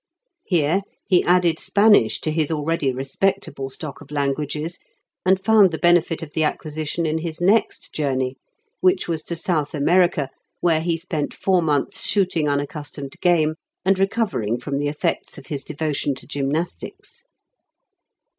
Here he added Spanish to his already respectable stock of languages, and found the benefit of the acquisition in his next journey, which was to South America, where he spent four months shooting unaccustomed game and recovering from the effects of his devotion to gymnastics.